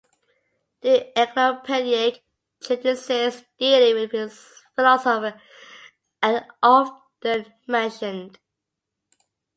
Two encyclopaedic treatises, dealing with philosophy, are often mentioned.